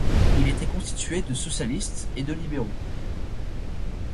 Il était constitué de socialistes et de libéraux.